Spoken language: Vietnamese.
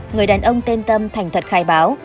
người đàn ông tên tâm thành thật khai báo